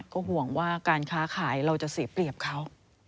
ก็ห่วงว่าการค้าขายเราจะเสียเปรียบเขา